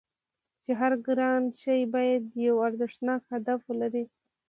چې هر ګران شی باید یو ارزښتناک هدف ولري